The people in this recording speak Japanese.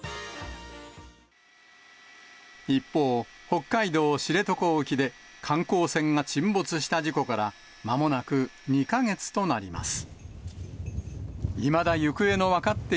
一方、北海道知床沖で、観光船が沈没した事故からまもなく２か月となります。